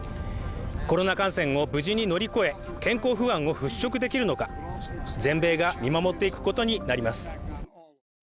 コロナ感染を無事に乗り越え健康不安を払拭できるのか全米が見守っていくことになります。